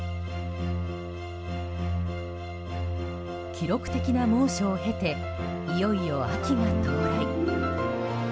記録的な猛暑を経ていよいよ秋が到来。